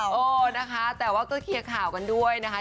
โอ้โฮนะคะแต่ว่าก็เครียดข่าวกรรดการย้ายกันด้วยนะคะ